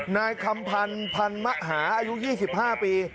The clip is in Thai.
นายคำพันธ์พันมหาอายุ๒๕ปี